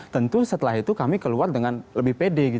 tentu setelah itu kami keluar dengan lebih pede